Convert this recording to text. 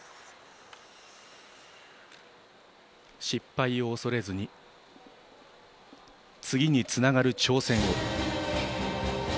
失敗を恐れずに次につながる挑戦を。